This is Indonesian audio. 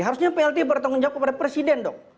harusnya plt bertanggung jawab kepada presiden dong